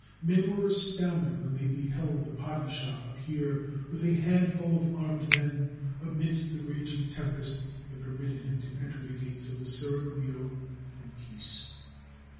Men were astounded when they beheld the padishah appear with a handful of armed men amidst the raging tempest, and permitted him to enter the gates of the seraglio in peace.